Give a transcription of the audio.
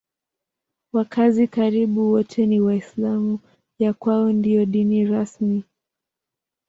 Wakazi karibu wote ni Waislamu; ya kwao ndiyo dini rasmi.